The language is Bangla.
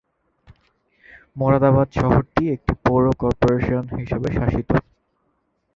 মোরাদাবাদ শহরটি একটি পৌর কর্পোরেশন হিসাবে শাসিত।